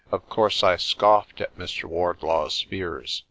Of course I scoffed at Mr. Wardlaw's fears.